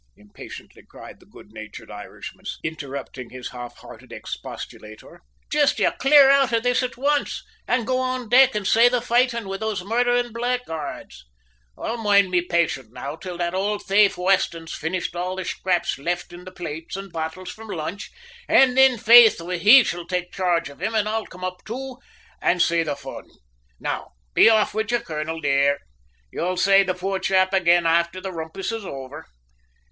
impatiently cried the good natured Irishman, interrupting his half hearted expostulator. "Jist you clear out of this at once, an' go on deck an' say the foightin' with those murtherin' bleyguards. I'll moind my paychant now till that old thaife Weston's finished all the schraps lift in the plates an' bottles from lunch; an' thin, faith, he shall take charge of him an' I'll come up too, to say the foon. Now, be off wid ye, colonel, dear; you'll say the poor chap ag'in afther the rumpus is over.